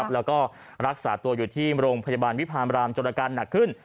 แล้วก็รักษาตัวอยู่ที่โรงพยาบาลวิพามรามจนอาการหนักขึ้น